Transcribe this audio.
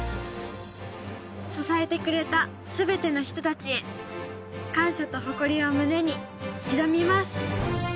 支えてくれた全ての人達へ、感謝と誇りを胸に挑みます。